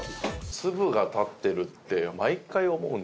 粒が立ってるって毎回思うんです。